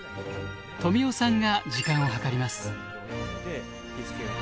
とみおさんが時間を計ります。